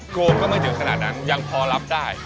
โกงก็ไม่ถึงขนาดนั้นยังพอรับได้